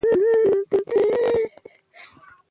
له ځان سره وړلې.